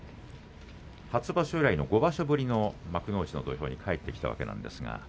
初場所以来５場所ぶりの幕内の土俵に帰ってきました。